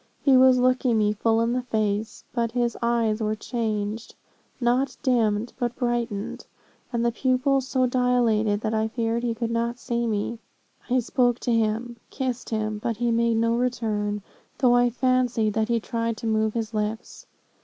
He was looking me full in the face, but his eyes were changed, not dimmed, but brightened, and the pupils so dilated, that I feared he could not see me. I spoke to him kissed him but he made no return, though I fancied that he tried to move his lips.